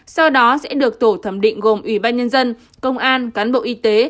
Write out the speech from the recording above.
sau đó sẽ được tổ thẩm định gồm ủy ban nhân dân công an cán bộ y tế